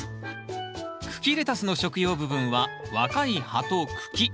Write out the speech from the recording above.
茎レタスの食用部分は若い葉と茎。